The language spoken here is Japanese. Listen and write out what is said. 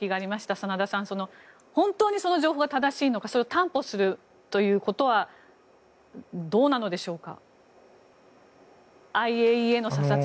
真田さん、本当にその情報が正しいのか担保するということはどうなのでしょうか？